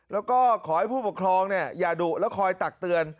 แล้วก็ขอให้ผู้ปกครองอย่าดุแล้วคอยตักเตือน